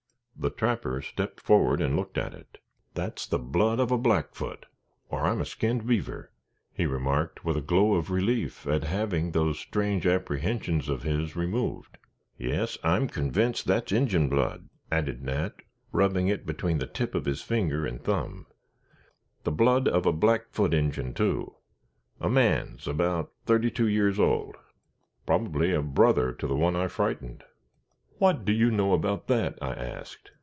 The trapper stepped forward and looked at it. "That's the blood of a Blackfoot, or I'm a skinned beaver!" he remarked, with a glow of relief at having those strange apprehensions of his removed. "Yes, I'm convinced that's Injin blood," added Nat, rubbing it between the tip of his finger and thumb. "The blood of a Blackfoot Injin, too a man's about thirty two years old. Probably a brother to the one I frightened." "What do you know about that?" I asked.